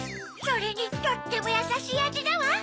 それにとってもやさしいあじだわ。